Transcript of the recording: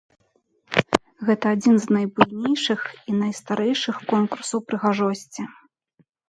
Гэта адзін з найбуйнейшых і найстарэйшых конкурсаў прыгажосці.